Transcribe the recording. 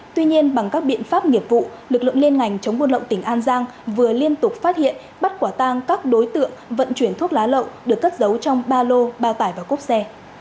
tuy nhiên bằng các biện pháp nghiệp vụ lực lượng liên ngành chống buôn lậu tỉnh an giang vừa liên tục phát hiện bắt quả tang các đối tượng vận chuyển thuốc lá lậu được cất giấu trong ba lô bao tải và cốp xe